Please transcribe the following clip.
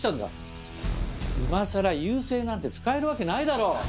今更「遊星」なんて使えるわけないだろう！